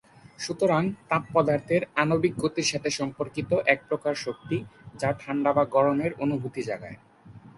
সুতরাং তাপ পদার্থের আণবিক গতির সাথে সম্পর্কিত এক প্রকার শক্তি যা ঠান্ডা বা গরমের অনুভূতি জাগায়।